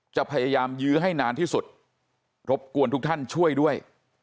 จะพยายามยื้อให้นานที่สุดรบกวนทุกท่านช่วยด้วย